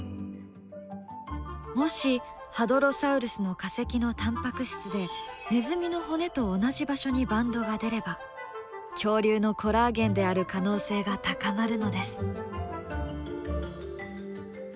もしハドロサウルスの化石のタンパク質でネズミの骨と同じ場所にバンドが出れば恐竜のコラーゲンである可能性が高まるのです。